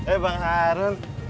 eh bang harun